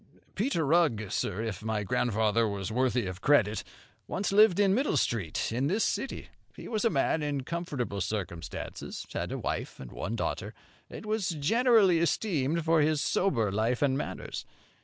"Peter Rugg, sir, if my grandfather was worthy of credit, once lived in Middle Street, in this city. He was a man in comfortable circumstances, had a wife and one daughter, and was generally esteemed for his sober life and manners.